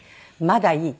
「まだいい。